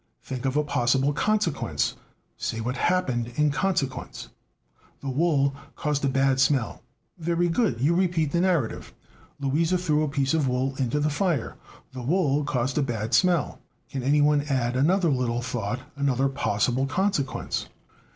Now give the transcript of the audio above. Think of a possible consequence, say what happened in consequence. "The wool caused a bad smell. Very good. You repeat the narrative: "Luisa threw a piece of wool into the fire. The wool caused a bad smell. Can any one add another little thought, another possible consequence?